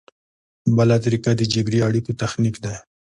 بله طریقه د جبري اړیکو تخنیک دی.